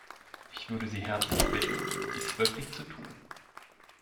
Ich würde Sie herzlich bitten, dies wirklich zu tun.